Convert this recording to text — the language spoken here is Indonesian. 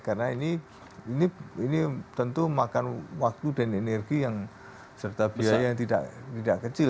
karena ini tentu makan waktu dan energi yang serta biaya yang tidak kecil